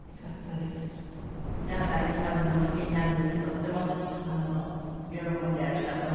であなたがいつまでもお弾きになるのでとっても喜んでらしたと思いますよね